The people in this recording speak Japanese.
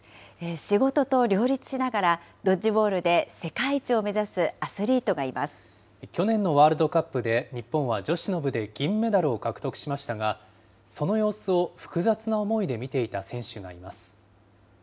仕事と両立しながらドッジボールで世界一を目指すアスリートがい去年のワールドカップで、日本は女子の部で銀メダルを獲得しましたが、その様子を複雑な思い